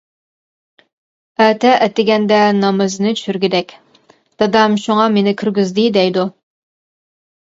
ئەتە ئەتىگەندە نامىزىنى چۈشۈرگىدەك، دادام شۇڭا مېنى كىرگۈزدى دەيدۇ.